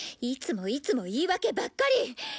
いつもいつも言い訳ばっかり！